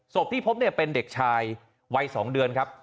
ที่พบเนี่ยเป็นเด็กชายวัย๒เดือนครับ